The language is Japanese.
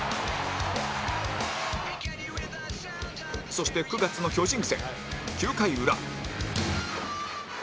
そして９月の巨人戦９回裏